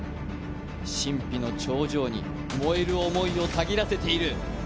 神秘の頂上に燃える思いをたぎらせている。